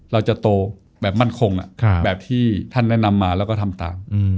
เราจะโตแบบมั่นคงแบบที่ท่านแนะนำมาแล้วก็ทำตาม